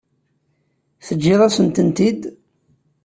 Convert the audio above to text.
Teǧǧiḍ-asent-tent-id?